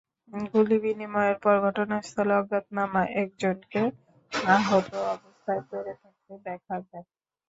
গুলিবিনিময়ের পর ঘটনাস্থলে অজ্ঞাতনামা একজনকে আহত অবস্থায় পড়ে থাকতে দেখা যায়।